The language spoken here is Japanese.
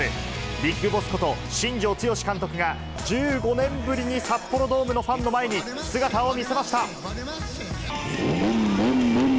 ビッグボスこと新庄剛志監督が、１５年ぶりに札幌ドームのファンの前に姿を見せました。